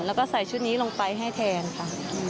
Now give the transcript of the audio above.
แล้วก็ใส่ชุดนี้ลงไปให้แทนค่ะ